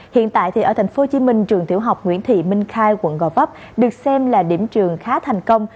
hiện tại thì ở tp hcm trường tiểu học nguyễn thị minh khai quận gò vấp được xem là điểm trường khá thành công